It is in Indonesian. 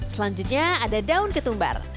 selanjutnya ada daun ketumbar